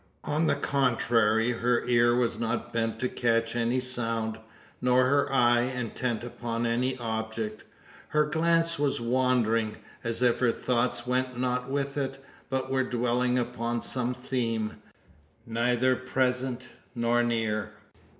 On the contrary, her ear was not bent to catch any sound, nor her eye intent upon any object. Her glance was wandering, as if her thoughts went not with it, but were dwelling upon some theme, neither present nor near.